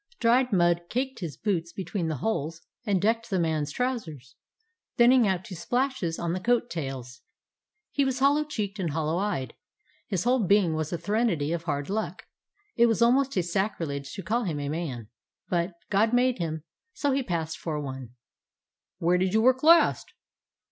Dried mud caked his boots between the holes and decked the man's trou sers, thinning out to splashes on the coat tails. He was hollow cheeked and hollow eyed, and his whole being was a threnody of hard luck. It was almost a sacrilege to call him a man; but "God made him," so he passed for one. "Where did you work last?"